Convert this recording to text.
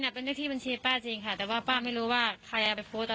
ก็ยังไม่รู้ไงก็เลยมาแจ้งความเดินทนายดูต่อค่ะ